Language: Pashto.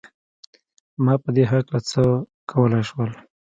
ما په دې هکله څه کولای شول؟